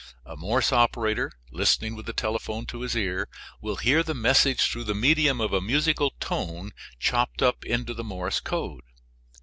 A Morse operator listening, with the telephone to his ear, will hear the message through the medium of a musical tone chopped up into the Morse code.